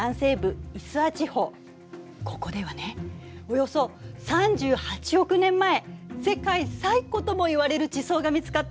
ここではねおよそ３８億年前世界最古ともいわれる地層が見つかったの。